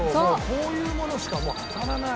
こういうものしか当たらない。